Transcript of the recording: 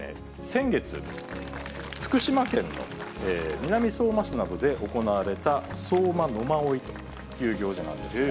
先月、福島県の南相馬市などで行われた相馬野馬追という行事なんですが。